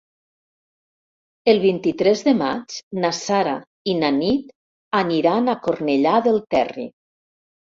El vint-i-tres de maig na Sara i na Nit aniran a Cornellà del Terri.